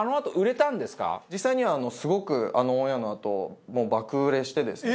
これは実際にはすごくあのオンエアのあともう爆売れしてですね